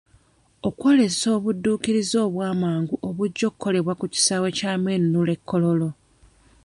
Okwolesa obudduukirize obwamangu obujja okukolebwa ku kisaawe ky'ameenunula e Kololo.